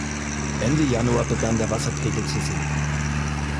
Ende Januar begann der Wasserpegel zu sinken.